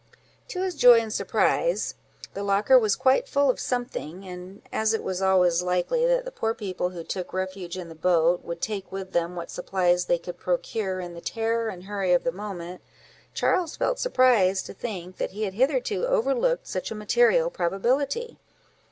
To his joy and surprise, the locker was quite full of something; and as it was always likely that the poor people who took refuge in the boat, would take with them what supplies they could procure, in the terror and hurry of the moment, Charles felt surprised to think that he had hitherto overlooked such a material probability.